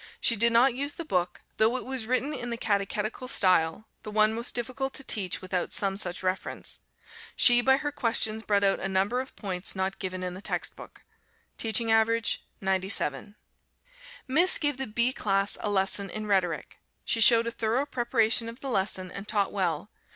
She did not use the book, though it was written in the catechetical style the one most difficult to teach without some such reference. She by her questions brought out a number of points not given in the text book. Teaching average, 97. Miss gave the B class a lesson in Rhetoric. She showed a thorough preparation of the lesson and taught well.